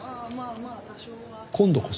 今度こそ？